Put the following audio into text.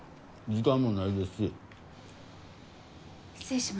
時間もないですし。